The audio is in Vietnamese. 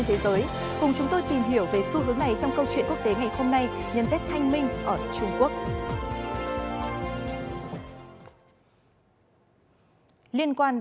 những nội dung tiếp theo